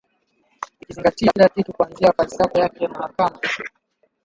ikizingatia kila kitu kuanzia falsafa yake ya mahakama